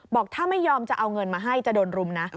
บอกถ้าไม่ยอมจะเอาเงินมาให้จะโดนรุมนะ